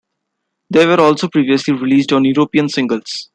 They were also previously released on European singles.